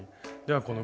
では